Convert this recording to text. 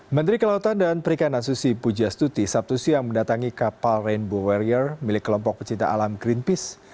menteri kelautan dan perikanan susi pujastuti sabtu siang mendatangi kapal rainbow warrior milik kelompok pecinta alam greenpeace